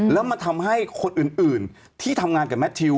แล้วมันทำให้คนอื่นที่ทำงานกับแมททิว